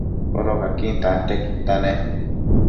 Codocaquin tantiaquidta nec